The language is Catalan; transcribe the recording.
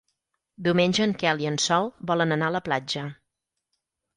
Diumenge en Quel i en Sol volen anar a la platja.